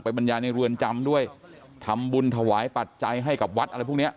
บรรยายในเรือนจำด้วยทำบุญถวายปัจจัยให้กับวัดอะไรพวกเนี้ย